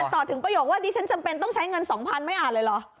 ต่อถึงประโยคว่าดิฉันจำเป็นต้องใช้เงิน๒๐๐๐ไม่อ่านเลยเหรอ